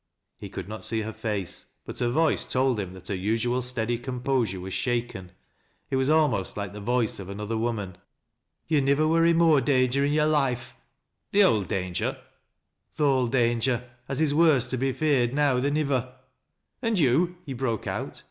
" He could not see her face, but her voice told him that her usual steady composure was shaken — it was almost like the voice of another woman. " To' nivver wur i' more danger i' yore loife " "The old danger?" " Th' old danger, as is worse to be feared now than iwer." " And you !" he broke out.